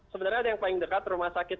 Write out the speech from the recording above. sebenarnya ada yang paling dekat rumah sakit